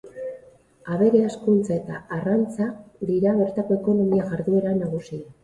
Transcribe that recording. Abere-hazkuntza eta arrantza dira bertako ekonomia-jarduera nagusiak.